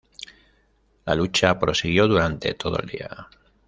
La lucha prosiguió durante todo el día.